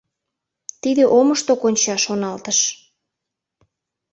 Тиде омышто конча, шоналтыш.